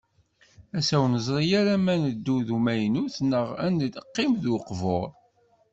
Ass-a ur neẓri ma ad neddu d umaynut neɣ ad neqqim d uqbur.